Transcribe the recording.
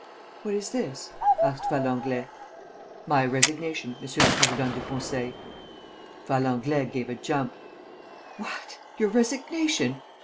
"What is this?" asked Valenglay. "My resignation, Monsieur le Président du Conseil." Valenglay gave a jump: "What! Your resignation!